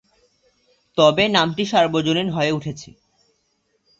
তবে নামটি সার্বজনীন হয়ে উঠেছে।